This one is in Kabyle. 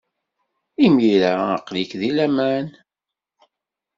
Imir-a, aql-ik deg laman.